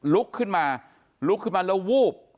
ลุกขึ้นมาลุกขึ้นมาแล้ววูบ